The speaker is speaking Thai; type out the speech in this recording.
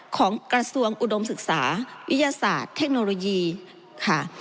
ของกระทรวงอุดมศึกษาวิทยาศาสตร์เทคโนโลยีค่ะ